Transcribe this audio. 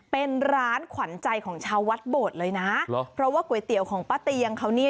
เป็นร้านขวัญใจของชาววัดโบดเลยนะเพราะว่าก๋วยเตี๋ยวของป้าเตียงเขานี่